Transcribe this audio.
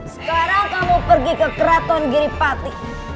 sekarang kamu pergi ke keraton giripati